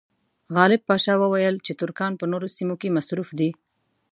غالب پاشا وویل چې ترکان په نورو سیمو کې مصروف دي.